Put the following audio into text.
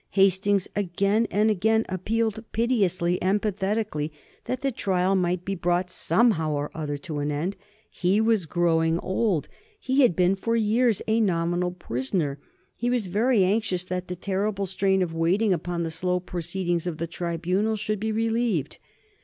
Hastings again and again appealed piteously and pathetically that the trial might be brought somehow or other to an end. He was growing old, he had been for years a nominal prisoner, he was very anxious that the terrible strain of waiting upon the slow proceedings of the tribunal should be relieved.